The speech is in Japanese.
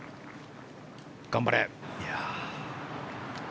頑張れ。